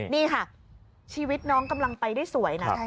นี่ค่ะชีวิตน้องกำลังไปได้สวยนะ